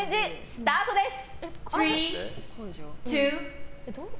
スタートです。